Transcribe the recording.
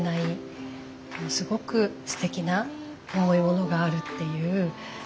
すごくすてきな重いものがあるっていう。